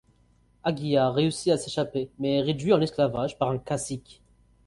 Aguilar réussit à s'échapper, mais est réduit en esclavage par un cacique.